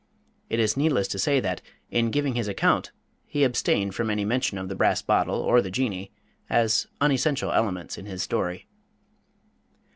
It is needless to say that, in giving his account, he abstained from any mention of the brass bottle or the Jinnee, as unessential elements in his story.